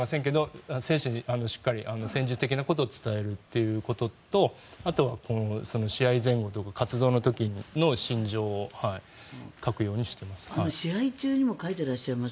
選手にしっかり戦術的なことを伝えることとあとは試合前後活動の時の心情を書くようにしています。